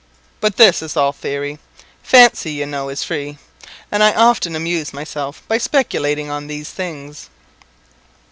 But this is all theory. Fancy, you know, is free, and I often amuse myself by speculating on these things."